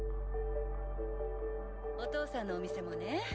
お父さんのお店もね